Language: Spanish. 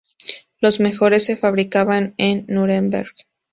Los mejores se fabricaban en Núremberg.